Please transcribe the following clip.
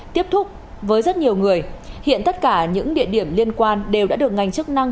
tiếp xúc với rất nhiều người hiện tất cả những địa điểm liên quan đều đã được ngành chức năng